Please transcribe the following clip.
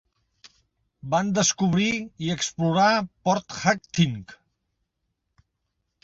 Van descobrir i explorar Port Hacking.